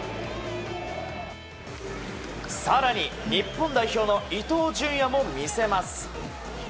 更に日本代表の伊東純也も見せます。